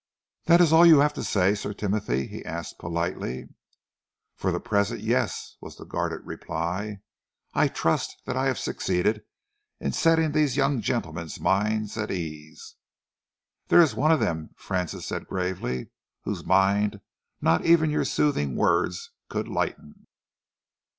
"That is all you have to say, Sir Timothy?" he asked politely. "For the present, yes," was the guarded reply. "I trust that I have succeeded in setting these young gentlemen's minds at ease." "There is one of them," Francis said gravely, "whose mind not even your soothing words could lighten."